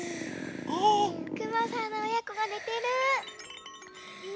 くまさんのおやこがねてる。